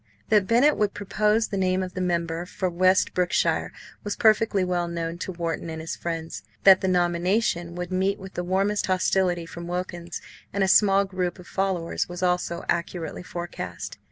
That Bennett would propose the name of the member for West Brookshire was perfectly well known to Wharton and his friends. That the nomination would meet with the warmest hostility from Wilkins and a small group of followers was also accurately forecast.